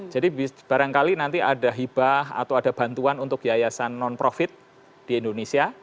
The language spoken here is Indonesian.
jadi barangkali nanti ada hibah atau ada bantuan untuk yayasan non profit di indonesia